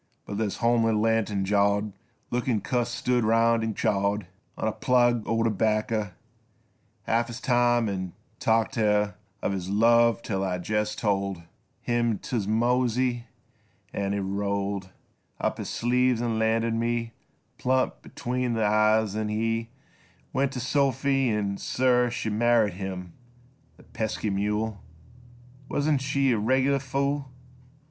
But this homely, lantern jawed Lookin' cuss stood 'round 'n' chawed On a plug o' terbacker Half his time 'n' talked t' her Of his love till I jest told Him t' mosey an' he rolled Up his sleeves 'n' landed me Plumb betwixt th' e3^es, then he Went to Sophy an' sir, she Married him ! The pesky mule ! Wuzn't she a reg'ler fool